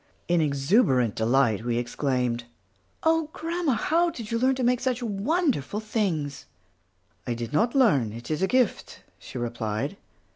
In exuberant delight we exclaimed, "Oh, grandma, how did you learn to make such wonderful things?" "I did not learn, it is a gift," she replied.